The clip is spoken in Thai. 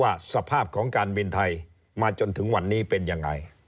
สภาพของการบินไทยมาจนถึงวันนี้เป็นยังไง